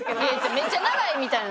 めっちゃ長いみたいな。